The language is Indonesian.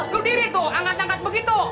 undur diri tuh angkat angkat begitu